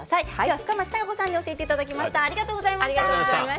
深町貴子さんに教えていただきました。